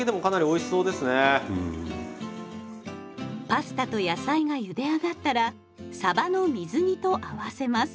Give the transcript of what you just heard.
パスタと野菜がゆで上がったらさばの水煮と合わせます。